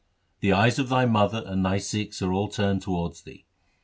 The eyes of thy mother and of thy Sikhs are all turned towards thee.